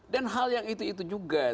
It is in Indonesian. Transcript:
dan hal yang itu juga